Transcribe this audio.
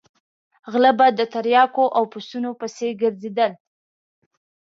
غله به د تریاکو او پسونو پسې ګرځېدل.